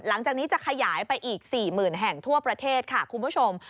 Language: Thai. หลังจากนี้จะขยายไปอีก๔๐๐๐แห่งทั่วประเทศค่ะคุณผู้ชม